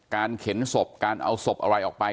เข็นศพการเอาศพอะไรออกไป